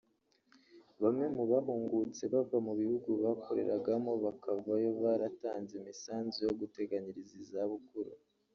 Bamwe mu bahungutse bava mu bihugu bakoreragamo bakavayo baratanze imisanzu yo guteganyiriza izabukuru